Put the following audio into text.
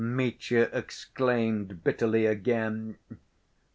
Mitya exclaimed bitterly again.